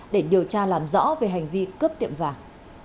để điều tra làm rõ về hành vi cướp tiệm vàng